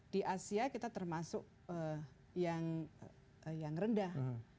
di asia kita termasuk yang rendah